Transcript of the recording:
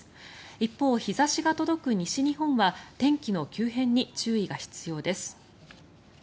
一方、日差しが届く西日本は天気の急変に注意が必要です。